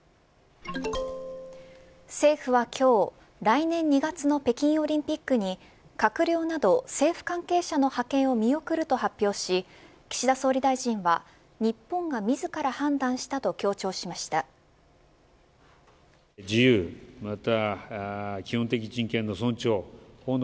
政府は今日来年２月の北京オリンピックに閣僚など政府関係者の派遣を見送ると発表し岸田総理大臣は日本が自ら判断したと強調しました。